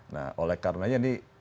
nah oleh karenanya ini